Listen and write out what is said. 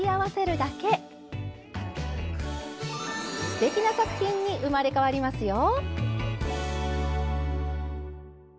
すてきな作品に生まれ変わりますよ！